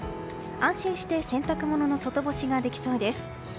安心して洗濯物の外干しができそうです。